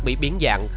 bị biến dạng